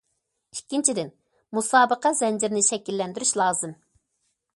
ئىككىنچىدىن، مۇسابىقە زەنجىرىنى شەكىللەندۈرۈش لازىم.